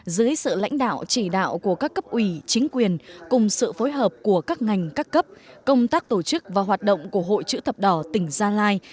dưới sự lãnh đạo chỉ đạo của các cấp ủy chính quyền cùng sự phối hợp của các ngành các cấp công tác tổ chức và hoạt động của hội chữ thập đỏ tỉnh gia lai